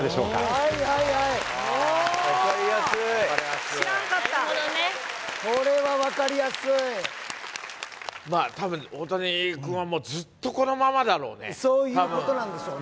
はいはいはい分かりやすい知らんかったこれはまあたぶん大谷くんはもうずっとこのままだろうねそういうことなんでしょうね